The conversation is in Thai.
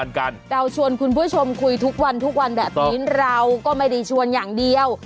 เราชวนคุณผู้ชมคุยทุกวันทุกวันแบบนี้เราก็ไม่ได้ชวนอย่างเดียว